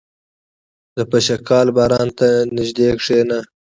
• د پشکال باران ته نږدې کښېنه.